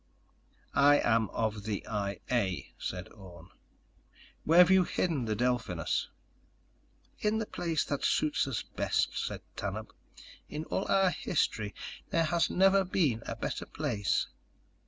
"I am of the I A," said Orne. "Where've you hidden the Delphinus?" "In the place that suits us best," said Tanub. "In all our history there has never been a better place."